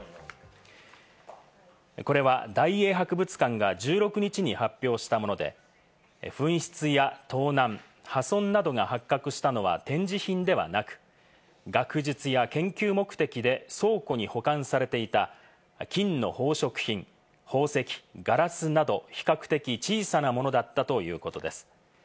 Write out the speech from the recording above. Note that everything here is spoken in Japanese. これは大英博物館が１６日に発表したもので、紛失や盗難、破損などが発覚したのは展示品ではなく、学術や研究目的で、倉庫に保管されていた金の宝飾品、宝石、ガラスなど、比較的小さなものだったということです。